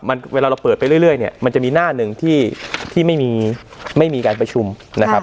มันเวลาเราเปิดไปเรื่อยเนี่ยมันจะมีหน้าหนึ่งที่ที่ไม่มีไม่มีการประชุมนะครับ